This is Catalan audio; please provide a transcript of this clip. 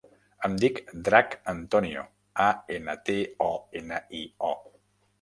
Em dic Drac Antonio: a, ena, te, o, ena, i, o.